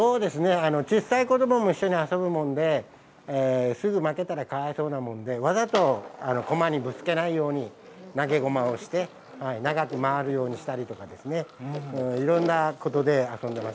小さい子どもも一緒に遊ぶもんですぐ負けたらかわいそうなもんでわざとこまにぶつけないように投げごまをして長く回るようにしたりとかいろんなことで遊んでましたね。